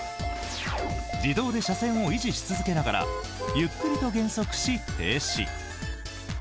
自動で車線を維持し続けながらゆっくりと減速し、停止。